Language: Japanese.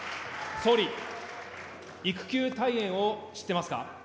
総理、育休退園を知ってますか。